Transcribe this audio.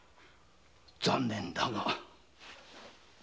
残念だが。